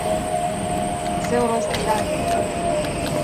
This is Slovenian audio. Vesel rojstni dan Mina!